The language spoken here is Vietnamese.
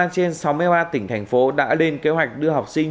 sáu mươi ba trên sáu mươi ba tỉnh thành phố đã lên kế hoạch đưa học sinh